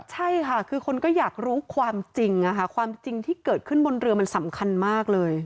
ใช่ค่ะคือคนก็อยากรู้ความจริงความจริงที่เกิดขึ้นบนเรือมันสำคัญมากเลย